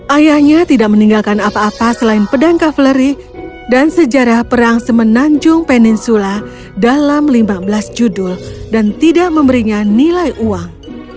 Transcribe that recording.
ayahnya tidak meninggalkan apa apa selain pedang kaveleri dan sejarah perang semenanjung peninsula dalam lima belas judul dan tidak memberinya nilai uang